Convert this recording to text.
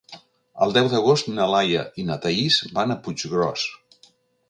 El deu d'agost na Laia i na Thaís van a Puiggròs.